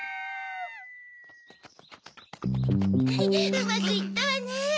うまくいったわね！